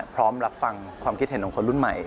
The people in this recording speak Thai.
พร้อมรับฟังความคิดเห็นของคนรุ่นใหม่